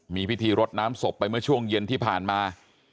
มีพิธีรดน้ำศพไปเมื่อช่วงเย็นที่ผ่านมา